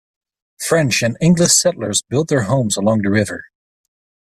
French and English settlers built their homes along the river.